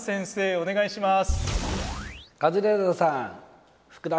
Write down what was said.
お願いします。